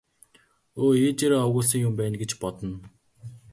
Өө ээжээрээ овоглосон юм байна гэж бодно.